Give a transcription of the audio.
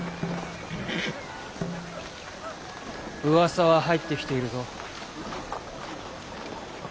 うわさは入ってきているぞ。